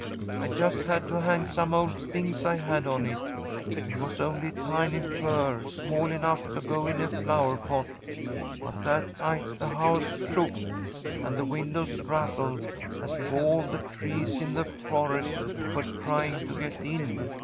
I just had to hang some old things I had on it. It was only a tiny fir, small enough to go in a flower pot; but that night the house shook, and the windows rattled as if all the trees in the forest were trying to get in.